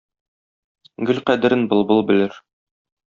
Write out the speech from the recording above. Гөл кадерен былбыл белер.